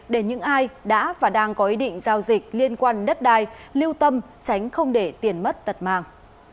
để những ai đã và đang có ý định giao dịch liên quan đất đai lưu tâm tránh không để tiền mất tật mang